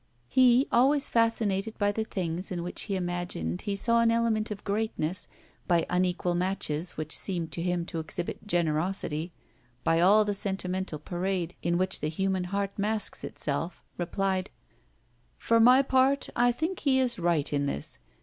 He, always fascinated by the things in which he imagined he saw an element of greatness, by unequal matches which seemed to him to exhibit generosity, by all the sentimental parade in which the human heart masks itself, replied: "For my part I think he is right in this.